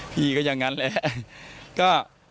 พี่ก็อย่างนั้นแหละ